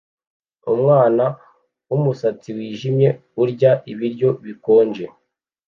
Umwana wumusatsi wijimye urya ibiryo bikonje